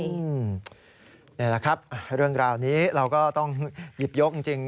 นี่แหละครับเรื่องราวนี้เราก็ต้องหยิบยกจริง